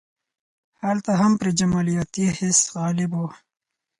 هلته هم پرې جمالیاتي حس غالب و.